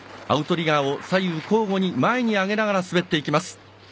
アウトリガーを左右交互に前に上げながら滑っていきます。